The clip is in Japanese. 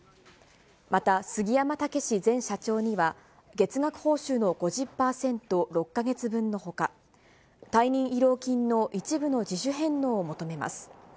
また杉山武史前社長には月額報酬の５０％、６か月分のほか、退任慰労金の一部の自主返納を求めます。